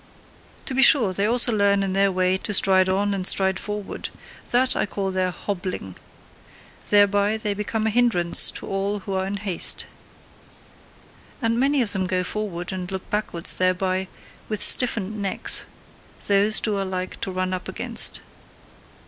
To be sure, they also learn in their way to stride on and stride forward: that, I call their HOBBLING. Thereby they become a hindrance to all who are in haste. And many of them go forward, and look backwards thereby, with stiffened necks: those do I like to run up against.